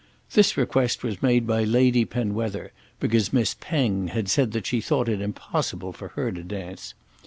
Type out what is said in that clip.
This request was made by Lady Penwether because Miss Penge had said that she thought it impossible for her to dance.